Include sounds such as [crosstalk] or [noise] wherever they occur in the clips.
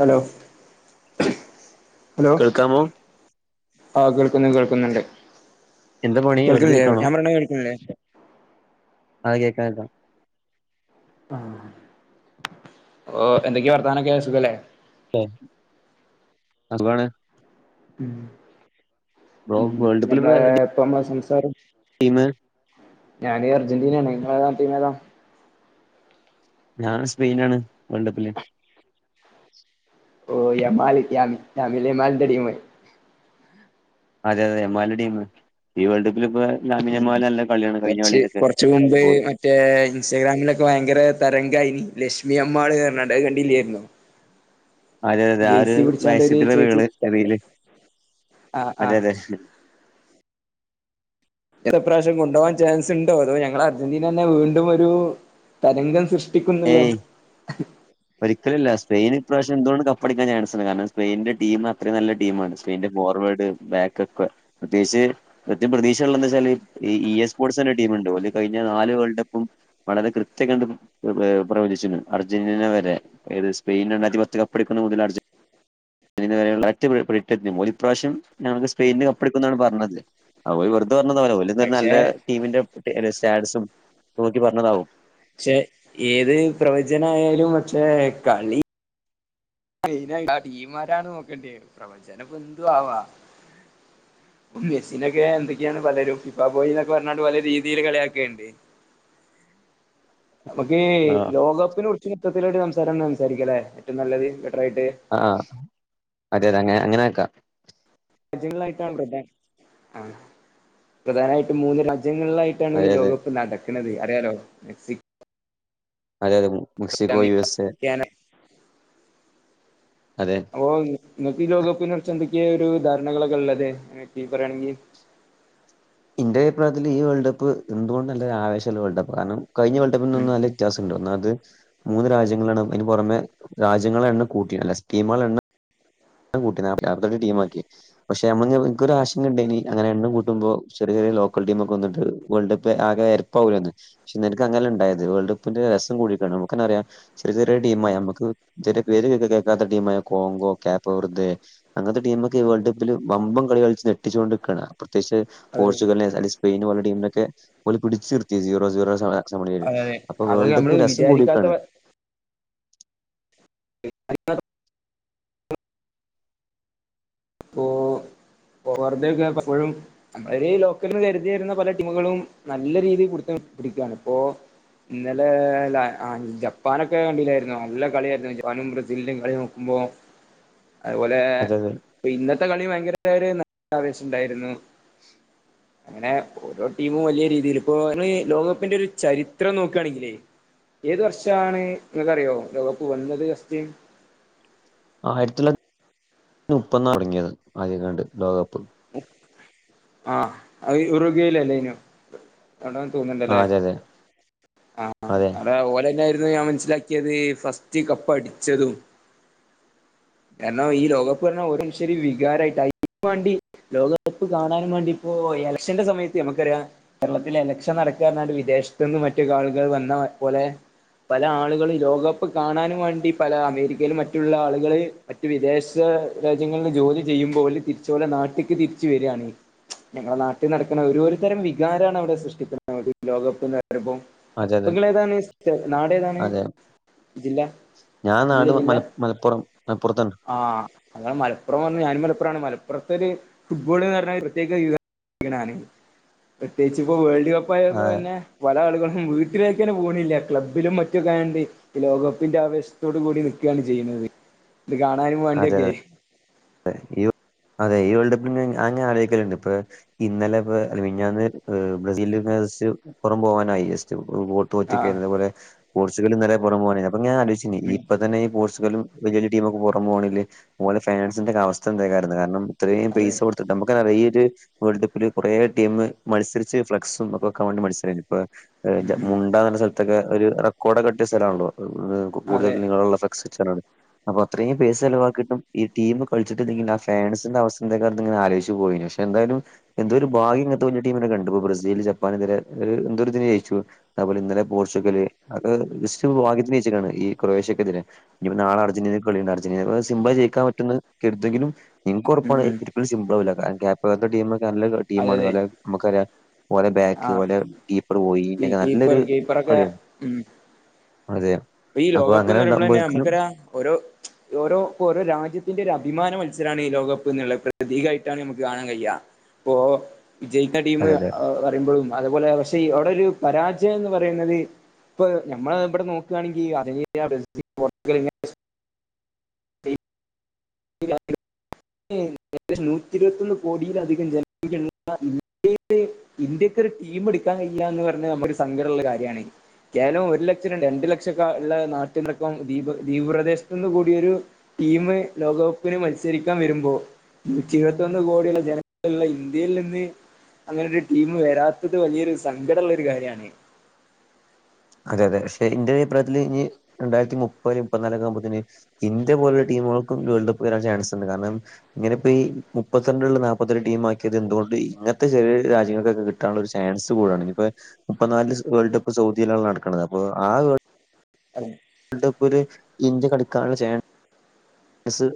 Hello hello കേൾക്കാമോ ആഹ് കേൾക്കുന്നു കേൾക്കുന്നുണ്ട് എന്താ പണി വെറുതെ കേൾക്കിണ്ല്ലെ ഇരിക്കാണോ ഞാൻപറയണെ കേൾക്ക്ണില്ലെ ആഹ് കേൾക്ക്ണ് ണ്ട് ആഹ് ഓഹ് എന്തൊക്കെ വർത്താനൊക്കെ സുഖല്ലെ ആഹ് സുഖാണ് ഉം ബ്രോ ഉം വേൾഡ് കപ്പിൽ ഇപ്പോ നമ്മളെ ആരുടെ ഇപ്പം നമ്മളെ സംസാരം ടീമ് ഞാന് അർജന്റീനേണ് ഇങ്ങളേത ടീമേത ഞാ സ്പെയിനാണ് വേൾഡ് കപ്പില് ഓഹ് യമാല് യാമി യാമിൽ യമാലിൻ്റെ ടീമ് അതെ അതെ യമാലിൻ്റെ ടീമ് ഈ വേൾഡ് കപ്പില് ഇപ്പ ഉം ലാമിൻയമാല് നല്ല കളിയാണ് കഴിഞ്ഞ കുറച്ച് കളിയിലൊക്കെ കുറച്ച് മുമ്പ് മറ്റേ ഇൻസ്റ്റഗ്രാമിലൊക്ക ഭയങ്കര തരംഗായ്ന് ലക്ഷ്മി അമ്മാള് അർഞ്ഞാണ്ട് അയ് കണ്ടില്ലേര്ന്നൊ അതെളഅതെ ആഹ് ഒരു പിടിച്ചാണ്ട് ഒരു വയസത്തില് ചേച്ചി റീള് റീല് ആഹ് അതെ ആഹ് അതെ ഏറെപ്രാവശ്യം കൊണ്ടുപോകാൻ ചാൻസ് ഉണ്ടോ അതോ ഞങ്ങളെ അർജന്റീന തന്നെ വീണ്ടും ഒരു തരംഗം സൃഷ്ടി ട്ടിക്കുന്നല്ലോ. ഒരിക്കലുംഇല്ല സ്പെയിൻ ഇപ്രാവിശ്യം എന്തുകൊണ്ടും കപ്പടിക്കാൻ ചാൻസ്ണ്ട്. കാരണം സ്പെയിന്റെ ടീം അത്രയും നല്ല ടീമാണ്. സ്പെയിന്റെ ഫോവേർഡ് ബാക്കക്കൊ പ്രത്യേകിച്ച് കൃത്യ പ്രതീക്ഷയുള്ളന്ന് വെച്ചാല് ഈ ഇ എസ് സ്പോർട്സ്എന്നറഞ്ഞൊരു ടീമുണ്ട്. കഴിഞ്ഞ നാല് വേൾഡ് കപ്പും വളരെ കൃത്യം കണ്ട് പ്രവചിച്ചിരുന്നു. അർജന്റീന വരെ ഏത് സ്പെയിന് അതിപ കപ്പ് എടുക്കുന്ന മുതല് അർജന്റീ ന പോല ഇപ്രാവിശ്യം സ്പെയിന് കപ്പ് എടുക്കുന്നാണ് പറഞ്ഞത്. അ ഓല് വെറുതെ പറഞ്ഞതാവൂല ഓല് നല്ല പക്ഷെ ടീമിന്റെ സ്റ്റാർസും നോക്കി പറഞ്ഞതാവും പക്ഷെ ഏത് പ്രവചനയാലും പക്ഷേ കളി നായി ആ ടീമാരാണ് നോക്കണ്ടേ പ്രവചനംപ്പൊഎന്തു ആവാം. മെസ്സിനൊക്കെ എന്തൊക്കെയാണ് പലരും ഫിഫാ ബോയി എന്നൊക്കെ പറഞ്ഞിട്ട് പല രീതിയിൽ കളിയാക്കല്ണ്ട്. നമുക്ക് ആഹ് ലോകകപ്പിനെ കുറിച്ച് ഇത്തരത്തിലൊരു സംസാരം സംസാരിക്കലേ ഏറ്റവും നല്ലത് ബെറ്ററ് ആയിട്ട് ആഹ് അതെ അതെ അങ്ങനെ അങ്ങനെ ആക്കാം. രാജ്യങ്ങളായിട്ടാണ്. പിന്നെ ആ പ്രധാനായിട്ട് മൂന്ന് രാജ്യങ്ങളിലായി ട്ടാണ് ഈ അതെ അതെ ലോകകപ്പ് നടക്ക്ണത്. അറിയാലോ മെക്സിക്കോ അതെ അതെ Mexico U America S A Canada അതെ ഓ ഇങ്ങക്ക് ലോകപ്പിനെ കുറിച്ച് എന്തൊക്കെയേ ഒരു ധാരണകളൊക്കെ ഉള്ളത് ആക്ടി പറയയാണെങ്കിൽ ഇൻ്റെ അഭിപ്രായത്തില് ഈ വേൾഡ് കപ്പ് എന്തുകൊണ്ടും ഒരു ആവേശമുള്ള വേൾഡ്കപ്പാ കാരണം കഴിഞ്ഞ വേൾ് ഉം കപ്പിനന്നുംല്ല വ്യത്യാസംഇണ്ട് ഒന്നാത് മൂന്ന് രാജ്യങ്ങളാണ് ഒന്നിന് പുറമെ രാജ്യങ്ങളെ എണ്ണം കൂട്ടിട്ടില്ല. സ്റ്റീമേളെഎണ്ണം കൂട്ടനാപ്പത്തിരണ്ട് ടീമ്ആക്കി പക്ഷെ നമ്മ എനിക്കൊരു ആശങ്ക ഇണ്ടായ്നി അങ്ങന എണ്ണം കൂട്ടുമ്പോ ചെറിയ ലോക്കൽടീമൊക്കെ വന്ന്ട്ട് വേൾഡ് കപ്പ് ആകെ എര രപാകൂലേന്ന്. പക്ഷെഎനക്ക് അങ്ങനെല്ല ഉണ്ടായത് വേൾഡ് കപ്പിന്റെ രസം കൂടി നമുക്കെന്നെ അറിയാം ചെറിയ ചെറിയ ടീമായി നമുക്ക് ചെറിയ പേര് കേൾക്കാത്ത ടീമായ കോങ്കോ പോറതെയ് അന്നത്തെ ടീമക്കെ വേൾ്ഡ്കപ്പിൽ വമ്പം കളികളിച്ച് ഞെട്ടിച്ചോട്ട് നിക്കാണ്. പ്രത്യേകിച്ച് അതെ പോർച്ചുഗൽ സ്പെയിന് ഓലെ ടീമിനൊക്കെ പിടിച്ചിട്ത്തി സീറോ സീറോ അതെ അപ്പൊ അതൊക്കെ നമ്മള് വേൾഡപ്പ് രസം വിചാരിക്കാത്ത കൂടീക്കാണ്. [inaudible] പ്പോ വറുതേക്കെ പ്പോഴും ഒര് ലോക്കല്ന്ന് കര്തി വര്ന്ന പല ടീമ്കളും നല്ല രീതിയില് പുടുത്തം പിടിക്ക്യാണ്പ്പോ. ഇന്നലെ ല്ലാ ജപ്പാനൊക്കെ കണ്ടീലാര്ന്നോ? നല്ല കള്യായ്ര്ന്നു. ജപ്പാനും ബ്രസീല്ൻ്റേം കളി നോക്കുമ്പോ അയ്പോലേ... അതെ അതെ ഇപ്പൊ ഇന്നത്തെ കളി ഭയങ്കരൊര് നല്ല ആവേശണ്ടായ്ര്ന്നു. അങ്ങനെ ഓരോ ടീമും വല്യ രീതില് ഇപ്പോ അമ്മ്ളീ ലോകകപ്പിന്റെ ഒര് ചരിത്രം നോക്ക്വാണെങ്കിലേ ഏത് വർഷാണ് ഇങ്ങക്കറിയോ ലോക കപ്പ് വന്നത് ഫസ്റ്റ് ആയിരത്തി തൊള്ളായിരത്തി മുപ്പത് ന്നാ തൊടങ്ങീത് ആദ്യെങ്ങാണ്ട് ലോകകപ്പ്. ആഹ് അയ് ഉറുകയിലല്ലേന്നോ? അവ്ടാന്ന് ആ തോന്ന്ണ്ട്ല്ലേ. അതെ അതെ ആഹ് അതെ അവ്ടെ ഓലെന്നൊയിര്ന്നൂ ഞാൻ മനസ്സിലാ ക്ക്യത് ഫസ്റ്റ് കപ്പടിച്ചതും. കാരണം ഈ ലോകപ്പ് പറഞ്ഞാ ഓരൊര് ശെരി വികാരായിട്ട് അയ്നും വാണ്ടി ലോകകപ്പ് കാണാനും വാണ്ടിപ്പോ എലക്ഷന്റെ സമയത്ത് അമ്മക്കറിയാ കേരളത്തില് എലക്ഷൻ നടക്കാന്നറ്ങ്ങാണ്ട് വിദേശത്ത്ന്ന് മറ്റ് കാളുകൾ വന്ന പോലെ പല ആളുകളും ലോകകപ്പ് കാണാനും വാണ്ടി പല അമേരിക്കേലും മറ്റ്ള്ള ആളുകള് മറ്റ് വിദേശ രാജ്യങ്ങള്ല് ജോലി ചെയ്യുമ്പോ ഓല് തിരിച്ചോലെ നാട്ട്ക്ക് തിരിച്ച് വെര്വാണ്. ഞങ്ങളെ നാട്ടീ നടക്ക്ണ ഒരോര് തരം വികാരാണ് അവടെ സൃഷ്ടിക്ക്ന്നത് ലോകകപ്പ്ന്ന്റയുമ്പോ അതെ അതെ പ്പങ്ങളേതാണ് നാടേതാണ്? ജില്ലാ? ഞാ നാട് മലപ്പുറം മലപ്പൊറത്ത്ണ്ട്. ആഹ് അതാ മലപ്പൊറം പറഞ്ഞ് ഞാനും മലപ്പൊറാണ് മലപ്പൊറത്തൊര് ഫുട്ബോള്ന്നറഞ്ഞാ പ്രത്യേക ക്ഷീണാണ്. പ്രത്യേകിച്ച് പ്പോ വേൾഡ് ആ കപ്പായപ്പോ പിന്നെ പല ആള്കളും വീട്ടിലേക്കെന്നെ പോണില്ല്യാ ക്ലബ്ബിലും മറ്റൊക്കായോണ്ട് ഈ ലോകകപ്പിന്റെ ആവേശത്തോടു കൂടി നിക്കാണ് ചെയ്യ്ണത്. ഇത് കാണാനും അതെ മാണ്ട്യൊക്കേ. അതെ. ഈ വേൾ [inaudible] അതെ. ഈ വേൾഡ് കപ്പ് ഞ് ഞാങ്ങനെ ആലോയ്ക്കല്ണ്ട് ഇപ്പഹ് ഇന്നലെ പ്പോ മിഞ്ഞാന്ന് ബ്രസീല് ഫാൻസ് അപ്പൊറം പോവാനായി ജസ്റ്റ് [unintelligible] ആഹ് തോറ്റക്കേയിര്ന്ന് അതേപോല പോർച്ചുഗലും ന്നലെ പൊറം പോവാനായി അപ്പൊ ഞാ ആലോയ്ച്ചീനി ഉം ഇപ്പൊ തന്നെ ഈ പോർച്ചുഗലും വല്ല്യ വല്ല്യ ടീമൊക്കെ പൊറം പോവാണേല് ഓലെ ഫാൻസിന്റൊക്കെ അവസ്ഥ എന്തേക്കാരംന്ന് കാരണം ഇത്രയും അതെ പൈയ്സൊട് ട്ത്ത്ട്ട് അമ്മക്കെന്നറ്യാ ഈ ഒര് വേൾഡ് കപ്പില് കൊറേ ടീമ് മത്സരിച്ച് ഫ്ലക്സും ഒക്കെ വെക്കാൻ വേണ്ടി മത്സരേനീ ഇപ്പൊ ഏഹ് ഉം ജെ ഉം മുണ്ടാന്നർഞ്ഞ സ്ഥലത്തൊക്കെ ഒരു റെക്കോർഡൊക്കിട്ട്യ സ്ഥലാണല്ലോ. അതെ കൂടുതല് നീളള്ള ഫ്ലക്സ് വെച്ചർഞ്ഞാണ്ട് അപ്പൊ അത്രേം പെയ്സെലവാക്കീട്ടും ഈ ടീമ് കള്ച്ചിട്ടില്ലെങ്കി ആ ഫാൻസിന്റെ അവസ്ഥെന്തേക്കാരംന്ന്ങ്ങനെ ആലോയിച്ച് പോവേനു പക്ഷെ ന്തായാലും എന്തോ ഒരു ഭാഗ്യം ഇങ്ങൻത്തെ വല്ല്യ ടീമിനൊക്കെണ്ട്പ്പോ ബ്രസീൽ ജപ്പാനെതിരെ ഒര് എന്തോരിതിന് ജയിച്ചു. അഹ്പോലെ ഇന്നലെ പോർച്ചുഗല് അതൊക്കെ ജെസ്റ്റ് ഭാഗ്യത്തിന് ജയ്ച്ചിക്കാണ് ഈ ക്രൊയേഷ്യക്കെതിരെ. ഇഞ്ഞിപ്പ നാളെ അൽജന്റീനക്ക് കളിണ്ട് അർജൻ്റീനക്കത് സിമ്പ്ളായി ജയിക്കാൻ [unintelligible] ട്ടും ന്ന് കര്തെങ്കിലും ഉം ഇൻക്കൊറപ്പാണ് ഉം ഒരിക്കലും സിമ്പ്ളാവൂല്ല കാരണം ക്യാ ഇപ്പത്തെ ടീമൊക്കെ നല്ല അതെ ടീമാണ് അതെ ഓലെ അമ്മക്കറിയാ ഓലെ ബാക്ക്ല് ആഹ് ഓലെ കീപ്പർ [unintelligible] ഈ കീപ്പർ നല്ലൊരു കീപ്പറൊക്കെ കള്യാണ്. അതെ. ഇപ്പ ഈ ലോകകപ്പ്ന്നറിമ്പളെന്നെ ഒരിക്കലും നമ്മക്കറ്യാ ഓരോ ഓരോ ഓരോ രാജ്യത്തിന്റൊര് അഭിമാന മത്സരാണ് ഈ ലോകകപ്പ്ന്ന്ള്ളേ പ്രതീകായിട്ടാണ് അമ്മക്ക് കാണാൻ കയ്യാ. ഇപ്പോ വിജയിക്ക്ണ ടീമ് അതെ അതെ പറിമ്പഴും അതുപോലെ പക്ഷെ അവ്ടൊര് പരാജയംന്ന് പറയുന്നത് ഇപ്പൊ ഞമ്മളെ ഇബടെ നോ ക്കാണെങ്കീ അർജൻ്റീന, ബ്രസീല് പോർച്ചുഗല്, ഇങ്ങനെ പെയിൻ [unintelligible] [unintelligible] ഏകദേശം നൂറ്റി ഇരുപത്തൊന്ന് കോടീലധികം ജനസംഖ്യള്ള ഇന്ത്യയില് ഇന്ത്യക്കൊര് ടീം ഇട്ക്കാൻ കഴിയില്ലാന്ന് പറഞ്ഞാ നമ്മക്ക് സങ്കടള്ള കാര്യാണ്. കേവലം ഒരു ലക്ഷം രണ്ട് രണ്ടു ലക്ഷംക്കെ ഉള്ള നാട്ടിനടക്കം ദീപ് ദീപ് പ്രദേശത്ത് നിന്ന് കൂടിയൊരു ടീമ് ലോകകപ്പിന് മത്സരിക്കാൻ വരുമ്പോ നൂറ്റി ഇരുപത്തൊന്ന് കോടിള്ള ജനങ്ങള് ള്ള ഇന്ത്യയിൽ നിന്ന് അങ്ങനൊര് ടീം വരാത്തത് വലിയൊരു സങ്കടള്ള ഒരു കാര്യാണ്. അതെ അതെ. പക്ഷെ ഇന്റൊരഭിപ്രായത്തില് ഇഞ്ഞ് രണ്ടായിരത്തി മുപ്പത് മുപ്പന്നാലൊക്കെ ആവുമ്പോത്തിന് ഇന്ത്യ പോലുള്ള ടീമുകൾക്കും വേൾഡ് കപ്പ് വരാൻ ചാൻസ് ണ്ട്. കാരണം ഇങ്ങനെ ഇപ്പ ഈ മുപ്പത്തിരണ്ട്ള്ള നാപ്പത്തിരണ്ട് ടീം ആക്കിയത് എന്തുകൊണ്ട് ഇങ്ങത്തെ ചെറിയ രാജ്യങ്ങൾക്കൊക്കെ കി ട്ടാൻള്ളൊര് ചാൻസ് കൂടാണ്. ഇഞ്ഞ്പ്പ മുപ്പത്നാല് ല് വേൾഡ് കപ്പ് സൗദിയിലാണ് നടക്ക്ണത്. അപ്പം ആ വേൾ അതെ ഡ് കപ്പ് ല് ഇന്ത്യ കളിക്കാൻള്ള ചേൻ സ്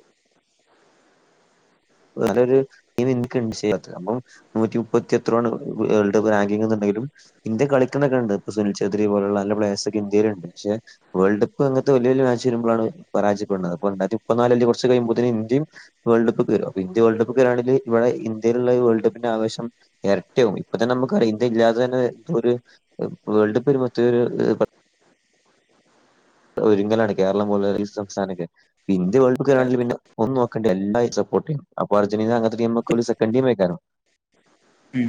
വേറൊരു ടീം [unintelligible] ചെയ്യാത്തത് അപ്പം നൂറ്റി മുപ്പത്തി എത്രോ ആണ് വേൾഡ് റാങ്കിങ് ന്നുണ്ടെങ്കിലും ഇന്ത്യ കളിക്ക്ണൊക്കെണ്ട്. ഇപ്പൊ സുനിൽ ചേത്രി പോലുള്ള നല്ല പ്ലെഴേഴ്സൊക്കെ ഇന്ത്യയില്ണ്ട്. പക്ഷെ വേൾഡ് കപ്പ് അങ്ങത്തെ വല്യ വല്യ മാച്ച് വരുമ്പളാണ് പരാജയപ്പെട്ണത്. അപ്പം രണ്ടായിരത്തിപ്പത്നാല് അല്ലെ കൊർച്ച് കയ്യുമ്പോത്തിന് ഇന്ത്യിം വേൾഡ് കപ്പ്ക്ക് വെരും. അപ്പ ഇന്ത്യ വേൾഡ് കപ്പ്ക്ക് വരാണങ്കി ഇവടെ ഇന്ത്യേലുള്ള വേൾഡ് കപ്പിന്റെ ആവശം എരട്ട്യാവും. ഇപ്പൊ തന്നെ നമുക്കറിയാ ഇന്ത്യ ഇല്ലാതെ തന്നെ ഇതൊര് വേൾഡ് കപ്പ് വരുമ്പോത്തിന് [unintelligible] ഒരുങ്ങലാണ് കേരളം പോല്ള്ള ഈ സംസ്ഥാനൊക്കെ. ഇന്ത്യ വേൾഡ് കപ്പ്ക്ക് വരാണെങ്കിൽ പിന്നെ ഒന്നുംനോ ക്കണ്ടി എല്ലാരും സപ്പോട്ടെയ്യും. അപ്പം അർജന്റീന അങ്ങൻത്തെ ടീമൊക്കെ ഒര് സെക്കൻ്റ് ടീമേക്കാരം. ഉം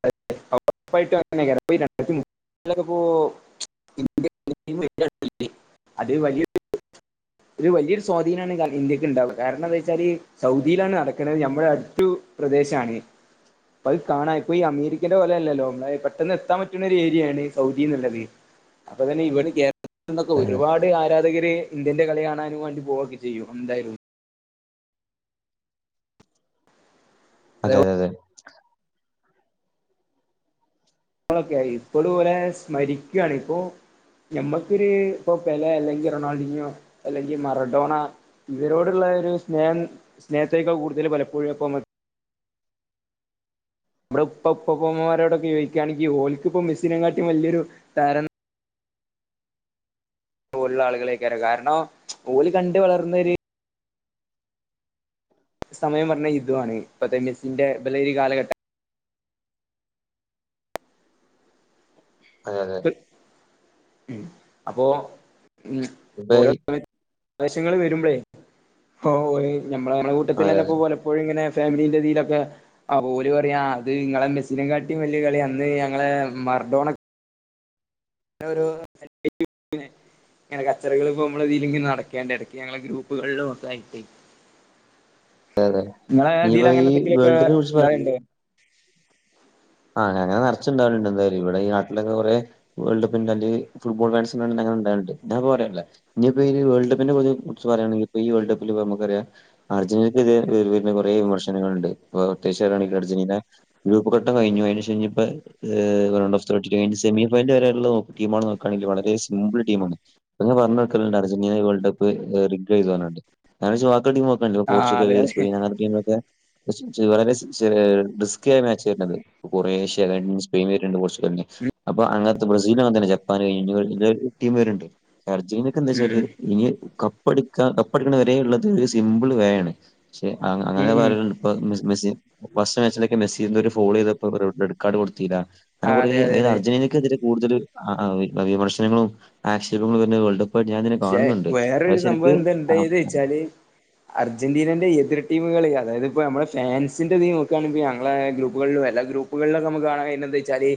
[unintelligible] ഒറപ്പായിട്ടും അങ്ങനെന്നേക്കാരം [unintelligible] പ്പോ ഇന്ത്യ [unintelligible] അത് വലിയ ഒരു വലിയൊരു സ്വാധീനമാണ് ഇന്ത്യക്ക് ഉണ്ടാവുക കാരണം എന്താ വെച്ചാല് സൗദിയിലാണ് നടക്കുന്നത് നമ്മുടെ അടു പ്രദേഷാണ് അപ്പത് കാണാം ഇപ്പൊ ഈ അമേരിക്കേന്റെ പോലെെയല്ലല്ലോ ന പെട്ടെന്ന് എത്താൻ പറ്റുന്നൊ ഒരു ഏരിയാണ് സൗദി എന്നുള്ളത് അപ്പൊ തന്നെ ഇ ക്കെ ഒരുപാട് ആരാധകര് ഇന്ത്യന്റെ കളി കാണാനും വേണ്ടി പോവുകൊക്കെ ചെയ്യും എന്തായാലും അതെ അതെ മ്മളോക്കെ ഇപ്പോൾ പോല സ്മരിക്കുവാണ ഇക്ക നമ്മക്കൊരു ഇപ്പൊ പല അല്ലെങ്കിൽ റൊണാൾഡിനോ അല്ലെങ്കിൽ മറഡോണ ഇവരോടുള്ള ഒരു സ്നേഹം സ്നേഹത്തേക്കാ കൂടുതൽ പലപ്പോഴും ഇപ്പ നമ്മുടെ ഇപ്പമമാരോടൊക്കെ ചോദിക്കുകയാണെിൽ ഓക്കിപ്പ മെസ്സിനും കാട്ടും വലിയൊരു താര പോലുള്ള ആളുകളൊക്കറ കാരണം ഓല് കണ്ട് വളർത്തി സമയം പറഞ്ഞ ഇതുമാണ് ഇപ്പൊ ത മെസ്സിന്റെ ബലൊരു കാലഘട്ടം അതെ ഉ അപ്പോ ഉ ഇപ്പൊ കുറ ഈ സമയത്ത് ആവശ്യങ്ങള് വരുമ്പോളേ ഓ നമ്മള നമ്മെ കൂട്ടത്തിൽ അതെ തന്നെ അതെ പോലെ എപ്പോഴ ഇങ്ങനെ ഫാമിലിന്റെതിയിലൊക്കെ ആ പോല പറയാ അത് നിങ്ങളെ മെസ്സിന കാട്ടിലും വലിയ കളി അന്ന് ഞങ്ങളെ മർഡോണാ [unintelligible] ഇങ്ങനെ കച്ചറികൾ ഇ നമ്മള് ഇതിലെും നടക്കണ്ട ഇടക്കക്ക് ഞങ്ങെ ഗ്രൂപ്പുകളിലും ഒക്കെ ആയിട്ട് നിങ്ങളെ തില് ഇനിയിപ്പോ അങ്ങനെ ഈ എന്തെങ്കിലുംക്കെ വേൾഡ് കപ്പിനെ കുറിച്ച് ഉണ്ടാവലുണ്ടോ ആഹ അങ്ങനെ നിറച്ചുണ്ടാവുണ്ട് എന്തായാല ഇടെ ഈ നാട്ടിലൊക്കെ കുറെ വേൾഡ് കപ്പിന്റെ അലെല് ഫുട്ബോൾ ഫാൻസ് അനെ ഇണ്ടാവല്ണ്ട് ഞാപ്പം പറയാംല്ലേ ഇനിയിപ്പ ഈ വേൾഡ് കപ്പിനെ കുറിച്ച് പറയാണങ്കിൽ ഇ ഈ വേൾ് കപ്പ് ല് നമുക്കറിയാം അർജന്റീനക്ക് ഇതി വരുന്ന കുറെ വിമർശനങ്ങളുണ്ട് അപ്പോ അത്യാവശ്യ വരാണെങ്കിൽ അർജന്റീന ഗ്രൂപ്പ ഇ കഴിഞ്ഞു കഴിഞ്ഞ ശേഷം കഴിഞ്ഞപ്പ റണ്ട് ഓഫ് കഴി സെമിനൽ വരെയുള്ള ടീണ് നോക്കുകണെങ്കിൽ വളരെ സിമ്പിൾ ടീമാണ് അപ്പ ഞാ പറഞ്ഞു വക്ക ലണ്ട് അർജന്റീന വേൾഡ് കപ്പ്‌ [unintelligible] ആഹ് അതെ പോർച്ചുഗല് അതെ സ്പെയിൻ അങ്ങനത്തെ ടീമൊക്ക വളരെ റിസ്കിയ മാച്ച് ആയിരന്നത് കൊറേ ഷ്യ സ്പെയിന വരണണ്ട് പോർച്ചഗലെ അപ്പൊ അങ്ങനത്തെ ബ്രസീൽ അങ്ങനന്നെ ജപ്പാന് കഴഞ്ഞ ടീം പവരണ് ണ്ട് അർജ എന്താ ഉം വെച്ചാല് ഉം ഇനി കപ്പടുക്കാ കപ്പടുക്കണ വരെഉള്ളത് ഒരു സിംമ്പിൾ വേയണ് പക്ഷെ ഉം അങ്ങനെ ഉം പറയണ്ട് മെ സി ഫസ്റ്റ് മാച്ചിലൊക്കെ മെസ്സി ഒരു ഫോളോ ചെയ്ത റെഡ് കാർഡ് കൊടുത്തില്ല അങ്ങെ ആഹ് അതെ അതെ കുറതായ അതെ അർന്റനക്കെതിരെ കൂടുതൽ വിമർശനങ്ങളും ആക്ഷേപങ്ങളും തന്നെ വേൾഡ് കപ്പായിട്ട് ഞാൻ ഇതിനെ ഷേ കാണുന്നുണ്ട് അത് വേറരു സംഭവം ശരിക്ക് ആ- എന്തണ്ടായത് വെച്ചാല് അർജന്റീനന്റെ എതിർ ടീമുകൾ അതായത് ഇപ്പോൾ നമ്മുടെ ഫാൻസിന്റെതയും നോ ക്കയാണെങ്ക ഞങ്ങള ഗ്രപ്പുകളിലും എല്ല ഗ്രൂപ്പ് മുകളിലൊക്കെ നമുക്ക് കാണാൻ കഴിയുന്താ വെച്ചാല്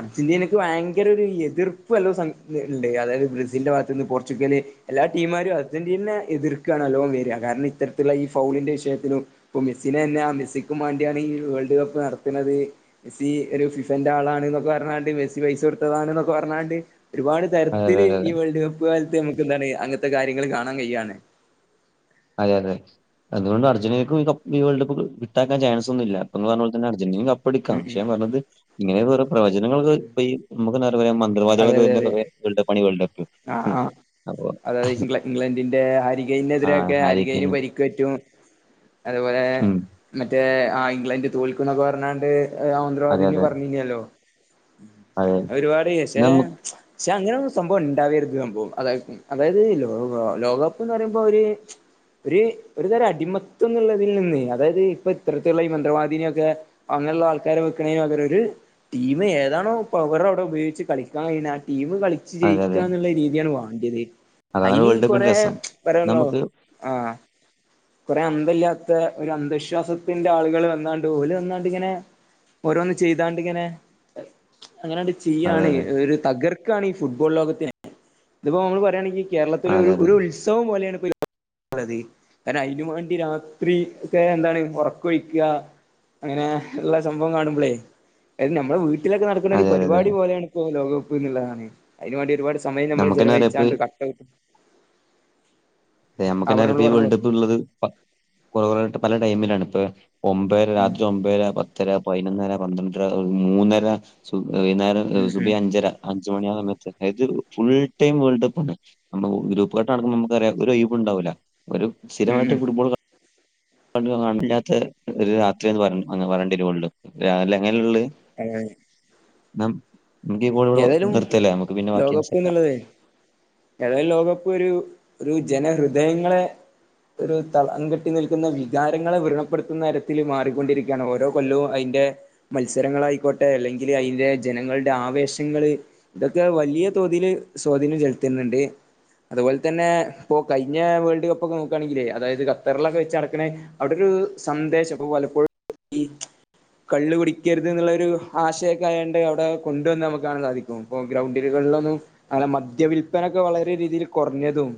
അർജന്റീനക്ക് ഭയങ്കര ഒരു എതിർപ്പ്ല്ലോ ഉണ്ട് അതായത് ബ്രസീലിന്റെ ഭാ ന്ന് പോർച്ചുഗല് എല്ലാ ടീമാരും അർജന്റീനെ എതിർക്കുകാണ്ണലോ വരിക കാരണം ഇത്തരത്തിലുള്ള ഈ ഫൗളിന്റെ വിഷയത്തിലും ഇപ്പൊ മെസ്സിനെ തന്നെ ആ മെസ്സിക്കും വേണ്ടിയാണ് ഈ വേൾഡ് കപ്പ് നടത്തുന്നത് മെസ്സി ഒരു ഫിഫന്റെ ആളാ എന്നൊക്കെ പറഞ്ഞാണ്ട് മെസ്സി പൈസ കൊടുത്തതാണ എന്നൊക്കെ പറഞ്ഞാണ്ട് ഒരുപാട് അതെ തരത്തില് ഈ വേൾഡ് കപ്പ് കാലത്ത് നമുക്ക് എന്താണ് അങ്ങനത്തെ കാര്യങ്ങൾ കാണാൻ കയ്യ അതെ അതെ അതുകൊണ്ട് അജന്റീനക്ക വേൾഡ കപ്പ് കിട്ടാൻ ചൻസ് ഒന്നില്ല ഇ പറഞ്ഞപൊല തന്ന അർജന്റീന ക ടിക്കാം ഉം ഉം പക്ഷ പറഞ്ഞത് ഇങ്ങനെ വേറെ പ്രവചനങ്ങൾ നമുക്ക് നിറവേയാ അതെ അതെ അതെ നിർമ്മാതകളൊക്കെവരുന്നത് എങ്കിൽ കപ്പ് ആഹ് വേൾഡ് ആഹ് അപ്പൊ അതായത് ഇ ഇഗളണ്ടിന്റെ ആ ഹരികനെതിറൊക്കെ ഹാരി ഹരീകന് കെയിൻ പരിക്ക പറ്റും അതുപോലെ ഉം. മറ്റേ ആ ഇംഗ്ലണ്ട് തോൽക്കുന്നൊക്കെ പറഞ്ഞാണ്ട് അതെ മന്ത്രിവാദിന അതെ പറഞ്ഞനില്ലോ അതെ ഒരുപാട് നമുക്ക് പക്ഷെ അങ്ങനെയൊന്നും സംഭവം ഉണ്ടാവേക്ക സംഭവം അത- അതായത് ലോക ലോകകപ്പ് എന്ന് പറയുമ്പോ ഒര്- ഒരു ഒരു തരം അടിമത്തം എന്നുള്ളതിൽ നിന്ന് അതായത് ഇപ്പൊ ഇത്തരത്തിലുള്ള ഈ മന്ത്രവാദിനിയൊക്കെ- അങ്ങനെയുള്ള ആൾക്കാരെ വെക്കണേന് പകരം ഒരു ടീം ഏതാണോ പവർ അവർ അവിടെ ഉപയോഗച്ച് കളിക്ക- ആ ടീം കളിച്ച് അതെ ജയിക്കുക അതെ എന്നുള്ള രീതിയാണ് വേണ്ടിയത് അതാണ് അയിനി വേൾഡ് കപ്പിന്റെ കൊറെ രസം ഘടകങ്ങളോ നമുക്ക് ആഹ് കുറെ അന്തമില്ലാത്ത ഒരു അന്ധവിശ്വാസത്തിന്റെ ആളുകള് വന്നാണ്ട് ഓല് വന്നാണ്ട് ഇങ്ങനെ- ഓരോന്ന് ചെയ്താണ്ട് ഇങ്ങനെ അങ്ങനെയാണ്ട് അതെ ചെയ്യാണ് അതെ ഒരു തകർക്കാണ് ഈ ഫുട്ബോൾ ലോകത്തിനെ ഇതിപ്പോ നമ്മള് പറയുകയാണെങ്കിൽ- കേരളത്തിലെ അതെ അതെ ഒരു ഉത്സവം പോലെയാണ് ഇപ്പോ- അതെ കാരണം അതിന് വേണ്ടി രാത്രി ഒക്കെ എന്താണ് ഒറക്കഴിക്കുക അങ്ങനെ ഉള്ള സംഭവം കാണുമ്പോളേ അത് നമ്മുടെ വീട്ട- വീട്ടിലൊക്കെ നടക്കുന്ന ഒരു അതെ അതെ അതെ പരിപാടി പോലെയാണ് ഇപ്പോൾ ലോകപ്പ് എന്നുള്ളതാണ് അതിനവേ ണ്ടി ഒരുപാട് സമയം നമ്മള് നമുക്ക് തന്നെ അറിയാം ഇപ്പൊ ചെലവഴിച്ചാണ്ട് ആട്ട അതെ നമുക്ക് തന്നെ അറബി വേൾഡ് കപ്പ് എന്ന് ഉള്ളത് കൊറേ കുറ [unintelligible] ട്ട് പല ടൈമിലാണ് ഇപ്പ ഒമ്പത് ഉം രാത്രി ഒമ്പര പത്തര പതിനൊന്നര പന്ത്രണ്ടര ഒരു മൂന്നര വൈകുന്നേരം- ഉം സുബി ഉം അഞ്ചര അഞ്ച് മണിയാസമയത്ത് അതായത് ഫുൾടൈം വേൾഡ് കപ്പാണ് നമ്മുടെ ഗ്രൂപ്പ്ലോട്ട് നടക്കുമ്പ നമുക്കറിയാം ഒര് ഒഴിവ് ഉണ്ടാവില്ല ഒരു ഉം സ്ഥിരമായിട്ട് ഉം ഫുട്ബോൾ- കല്ലാത്ത ഒരു രാത്രിന്ന് പറ പറവേണ്ടിവരും അങ്ങനെയുള്ള- എങ്ങനെ നമുക്ക് ഈ കോള് ഇവിടെ ഏതായാലും നിർത്തിയല്ലേ നമുക്ക് പിന്നെ ബാക്കി പിന്നെ ലോകകപ്പ് സാംസാരിക്കാം എന്നുള്ളത് ഏതായാലും ലോകപ്പ് ഒരു ഒരു ജനഹൃദയങ്ങളെ- ഒരു തളം കെട്ടി നിൽക്കുന്ന വികാരങ്ങളെ വ്രണപ്പെടുത്തുന്ന തരത്തിൽ മാറിക്കൊണ്ടിരിക്കുകയാണ് ഓരോ കൊല്ലവും അതിന്റെ- മത്സരങ്ങളായിക്കോട്ടെ അല്ലെങ്കിൽ അതിന്റെ ജനങ്ങളുടെ ആവേശ- ങ്ങള് ഇതൊക്കെ വലിയ തോതില് സ്വാധീനം ചെലുത്തുന്നുണ്ട് അതുപോലെ തന്നെ ഇപ്പോ കഴിഞ്ഞ വേൾഡ് കപ്പ് ഒക്കെ നോകുവായാണെങ്കിലെ അതായത് ഖത്തറിലൊക്കെ വെച്ച് നടക്കെ- അവിടെയൊരു സന്ദേശം വലപ്പോഴും ഈ- കള്ള് കുടിക്കരുത് എന്നുള്ളൊരു ആശയൊക്കെ ആയൊണ്ട് അവടെ കൊണ്ടുവന്ന് നമുക്ക്- കാണാൻ സാധിക്കും ഇപ്പൊ ഗ്രൗണ്ടുകളിലൊന്നും അങ്ങനെ മദ്യ വിൽപനൊക്കെ വളരെ രീതിയിൽ കൊറഞ്ഞതും-